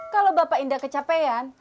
kalau bapak indah kecapean